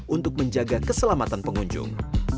untuk menjaga keselamatan pengunjung